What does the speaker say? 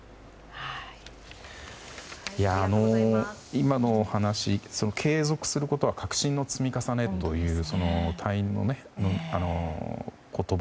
今のお話、継続することは革新の積み重ねというその隊員の言葉。